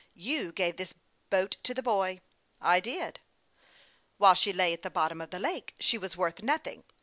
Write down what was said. " You gave this boat to the boy." " I did." " While she lay at the bottom of the lake she was worth nothing.